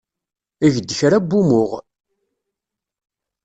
Eg-d kra n wumuɣ.